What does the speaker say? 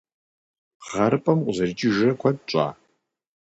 ГъэрыпӀэм укъызэрикӀыжрэ куэд щӀа?